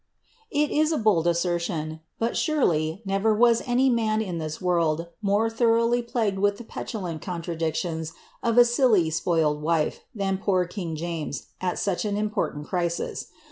It is a bold assertion, — but, surely, never was any man in this world more thoroughly plagued with the petulant contradictions of a silly, spofled wife, than poor king James, at such an important crisis.